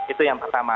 itu yang pertama